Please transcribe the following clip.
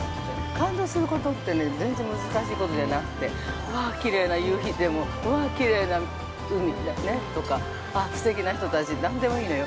感動することって、全然難しいことじゃなくて、ああ、きれいな夕日でも、きれいな海とか、あっ、すてきな人たちの何でもいいのよ。